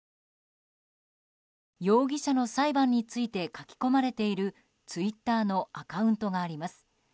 容疑者の裁判について書き込まれているツイッターのアカウントがあります。